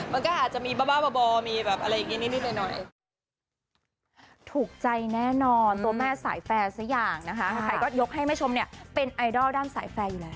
มันก็อาจจะมีบ้ามีอะไรแบบนี้นิดหน่อย